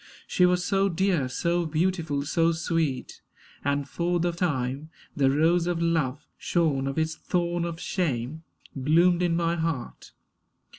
She was so dear, So beautiful, so sweet; and for the time The rose of love, shorn of its thorn of shame, Bloomed in my heart.